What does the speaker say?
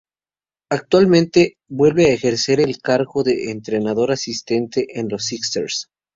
Actualmente vuelve a ejercer el cargo de entrenador asistente en los Sixers.